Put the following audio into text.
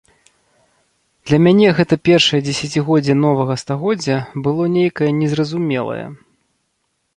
Для мяне гэта першае дзесяцігоддзе новага стагоддзя было нейкае незразумелае.